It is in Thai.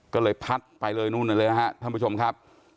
ก็เลยพัดไปเลยนู่นนั่นเลยนะครับท่านผู้ชมครับ